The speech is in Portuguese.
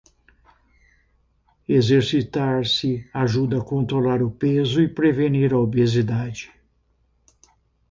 Exercitar-se ajuda a controlar o peso e prevenir a obesidade.